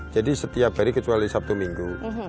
setiap hari kecuali sabtu minggu